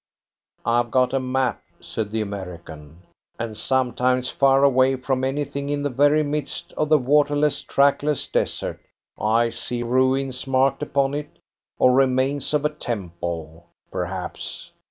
"I've got a map," said the American, "and sometimes far away from anything in the very midst of the waterless, trackless desert, I see 'ruins' marked upon it or 'remains of a temple,' perhaps.